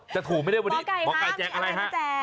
จะถูมไหมหมอกไก่แจกอะไรฮะ